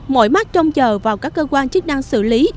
mỗi mắt trông chờ vào các cơ quan chức năng xử lý